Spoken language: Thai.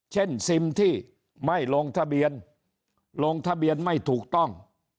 ซิมที่ไม่ลงทะเบียนลงทะเบียนไม่ถูกต้อง